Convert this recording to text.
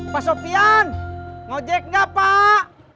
pak sofian ngejek gak pak